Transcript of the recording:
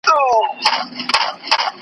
ښايي پر غوږونو به ښه ولګیږي.